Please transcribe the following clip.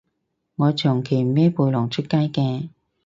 我長期孭背囊出街嘅